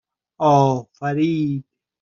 آفرید